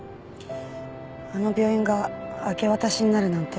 あの病院が明け渡しになるなんて。